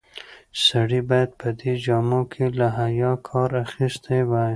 سړی باید په دې جامو کې له حیا کار اخیستی وای.